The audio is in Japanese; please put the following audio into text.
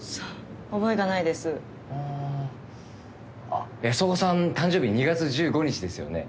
あっ安岡さん誕生日２月１５日ですよね。